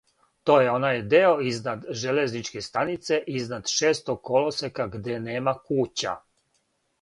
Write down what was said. То је онај део изнад железничке станице, изнад Шестог колосека, где нема кућа.